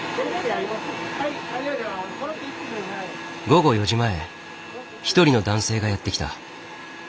午後４時前一人の男性がやって来た。